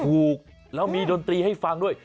ถูกแล้วมีดนตรีให้ฟังด้วย